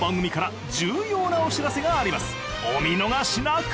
お見逃しなく！